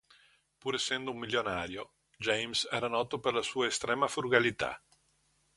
Pur essendo un milionario, James era noto per la sua estrema frugalità.